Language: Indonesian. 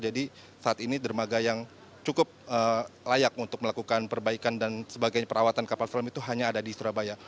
jadi saat ini dermaga yang cukup layak untuk melakukan perbaikan dan sebagainya perawatan kapal selam itu hanya ada di surabaya